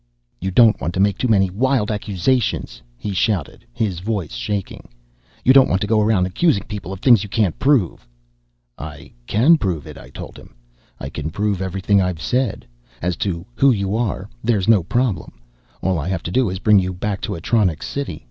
"You don't want to make too many wild accusations," he shouted, his voice shaking. "You don't want to go around accusing people of things you can't prove." "I can prove it," I told him. "I can prove everything I've said. As to who you are, there's no problem. All I have to do is bring you back to Atronics City.